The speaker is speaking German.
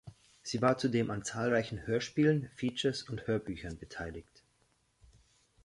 Sie war zudem an zahlreichen Hörspielen, Features und Hörbüchern beteiligt.